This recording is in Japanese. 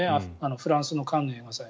フランスのカンヌ映画祭。